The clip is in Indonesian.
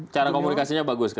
cara komunikasinya bagus